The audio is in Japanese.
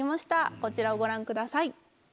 こちらをご覧ください。